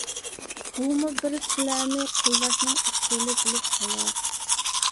بۇمۇ بىر سىلەرنى قوللاشنىڭ ئۇسۇلى بولۇپ قالار.